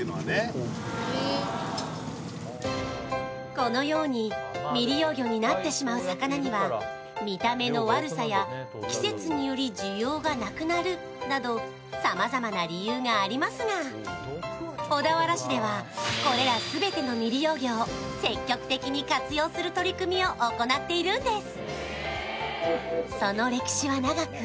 このように未利用魚になってしまう魚には見た目の悪さや季節により需要がなくなるなど、さまざまな理由がありますが、小田原市ではこれら全ての未利用魚を積極的に活用する取り組みを行っているんです。